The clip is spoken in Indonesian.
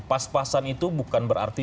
pas pasan itu bukan berarti